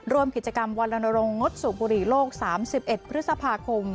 ร่วมกิจกรรมวันลนรงคดสูบบุหรี่โลก๓๑พฤษภาคม